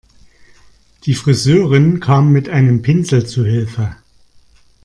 Die Friseurin kam mit einem Pinsel zu Hilfe.